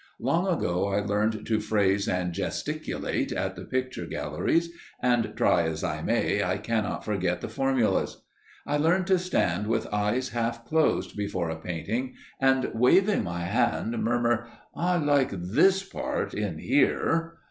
Long ago I learned to phrase and gesticulate at the picture galleries, and try as I may, I cannot forget the formulas. I learned to stand with eyes half closed before a painting, and waving my hand, murmur, "I like this part, in here!"